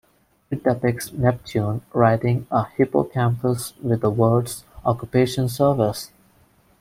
It depicts Neptune riding a Hippocampus with the words "Occupation Service".